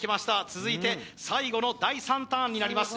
続いて最後の第３ターンになります